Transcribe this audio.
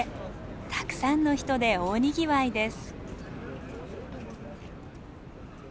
たくさんの人で大にぎわいです。